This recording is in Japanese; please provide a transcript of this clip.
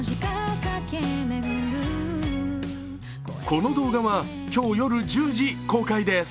この動画は今日夜１０時公開です。